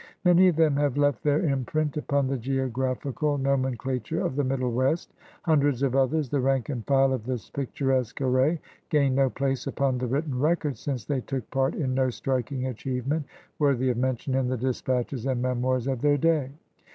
Many of them have left their imprint upon the geographical nomenclature of the Middle West. Hundreds of others, the rank and file of this picturesque array, gained no place upon the written records, since they took part in no striking achievement worthy of mention in the dispatches and memoirs of their day.